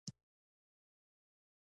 د تخار په ینګي قلعه کې د قیمتي ډبرو نښې دي.